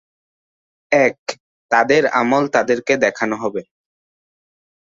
এক, তাদের আমল তাদেরকে দেখানো হবে।